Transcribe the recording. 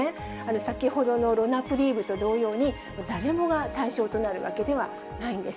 先ほどのロナプリーブと同様に、誰でもが対象となるわけではないんです。